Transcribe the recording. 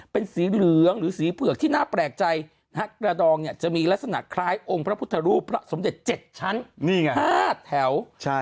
เป็นสีเหลืองหรือสีเผือกที่น่าแปลกใจกระดองเนี่ยจะมีลักษณะคล้ายองค์พระพุทธรูปพระสมเด็จ๗ชั้น๕แถว